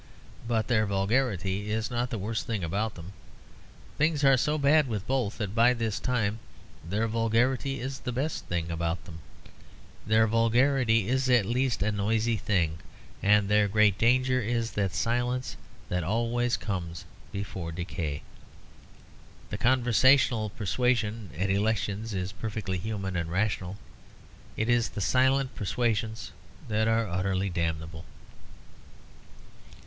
But their vulgarity is not the worst thing about them. Things are so bad with both that by this time their vulgarity is the best thing about them. Their vulgarity is at least a noisy thing; and their great danger is that silence that always comes before decay. The conversational persuasion at elections is perfectly human and rational; it is the silent persuasions that are utterly damnable.